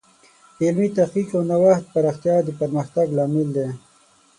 د علمي تحقیق او نوښت پراختیا د پرمختګ لامل دی.